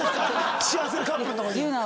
幸せなカップルのとこに。